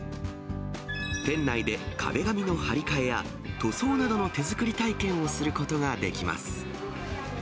店内で壁紙の張り替えや、塗装などの手作り体験をすることができます。